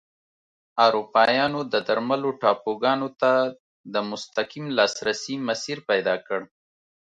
اروپایانو درملو ټاپوګانو ته د مستقیم لاسرسي مسیر پیدا کړ.